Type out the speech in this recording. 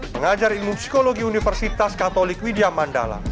pengajar ilmu psikologi universitas katolik widya mandala